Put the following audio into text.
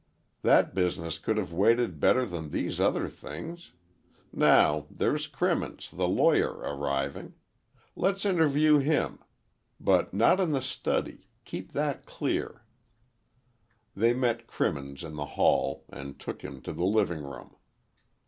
"That business could have waited better than these other things. Now, there's Crimmins, the lawyer arriving. Let's interview him. But not in the study. Keep that clear." They met Crimmins in the hall, and took him to the living room.